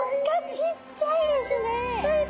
ちっちゃいですね。